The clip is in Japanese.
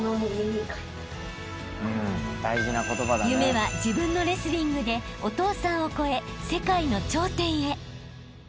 ［夢は自分のレスリングでお父さんを超え世界の頂点へ］